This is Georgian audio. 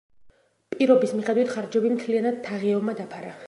პირობის მიხედვით, ხარჯები მთლიანად თაღიევმა დაფარა.